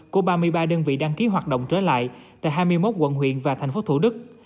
của ba mươi ba đơn vị đăng ký hoạt động trở lại tại hai mươi một quận huyện và thành phố thủ đức